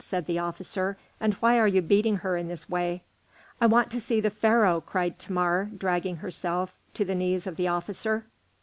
said the officer, "and why are you beating her in this way?" "I want to see the Pharaoh," cried Thamar, dragging herself to the knees of the officer.